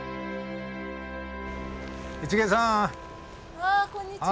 あこんにちは。